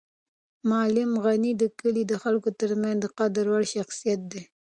معلم غني د کلي د خلکو تر منځ د قدر وړ شخصیت دی.